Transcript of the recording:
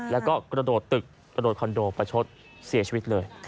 แล้วก็กระโดดตึกกระโดดคอนโดประชดเสียชีวิตเลย